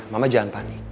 mama jangan panik